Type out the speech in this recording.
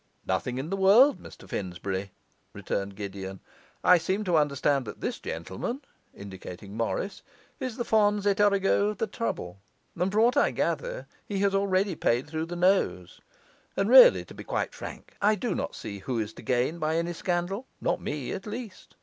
'Nothing in the world, Mr Finsbury,' returned Gideon. 'I seem to understand that this gentleman' indicating Morris 'is the fons et origo of the trouble; and, from what I gather, he has already paid through the nose. And really, to be quite frank, I do not see who is to gain by any scandal; not me, at least.